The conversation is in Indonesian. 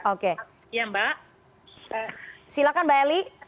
oke ya mbak silakan mbak eli